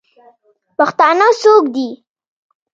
پښتانه څوک دئ؟